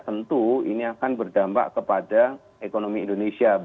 tentu ini akan berdampak kepada ekonomi indonesia